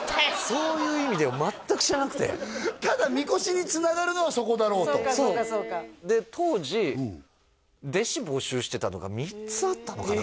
そういう意味では全く知らなくてただみこしにつながるのはそこだろうとそうで当時弟子募集してたのが３つあったのかな？